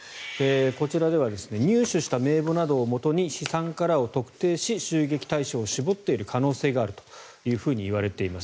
こちらでは入手した名簿などをもとに資産家らを特定し襲撃対象を絞っている可能性があるといわれています。